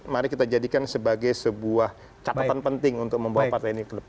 mari kita jadikan sebagai sebuah catatan penting untuk membawa partai ini ke depan